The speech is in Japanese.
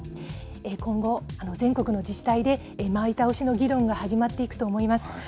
今後、全国の自治体で前倒しの議論が始まっていくと思います。